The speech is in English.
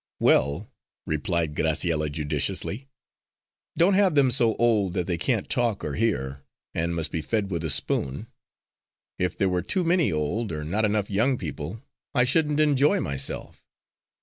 "Well," replied Graciella judicially, "don't have them so old that they can't talk or hear, and must be fed with a spoon. If there were too many old, or not enough young people, I shouldn't enjoy myself."